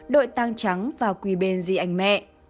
đội tang trắng và quỳ bền di ảnh mẹ